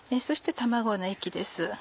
そして卵の液です。